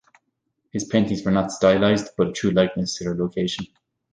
His paintings were not stylised but a true likeness to their location.